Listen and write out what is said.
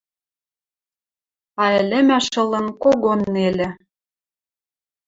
А ӹлӹмӓш ылын когон нелӹ